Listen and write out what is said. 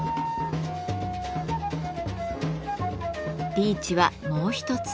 リーチはもう一つ